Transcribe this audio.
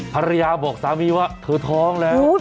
ภรรยาบอกสามีว่าเธอท้องแล้ว